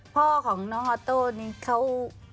พ่อของน้องออโต้นี่เขา